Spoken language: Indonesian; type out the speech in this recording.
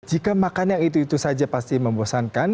jika makan yang itu itu saja pasti membosankan